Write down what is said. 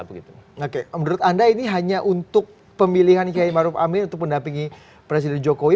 oke menurut anda ini hanya untuk pemilihan kiai maruf amin untuk mendampingi presiden jokowi